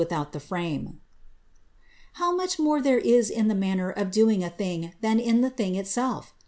without the frame." How much more there is in the manner of doing a thing than in the ting itself!